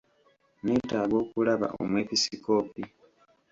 Nneetaaga okulaba omwepisikoopi.